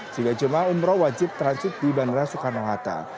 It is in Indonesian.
jika jemaah umroh wajib transit di bandara soekarno hatta